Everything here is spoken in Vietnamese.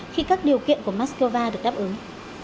khi các điều kiện của moskova được đáp ứng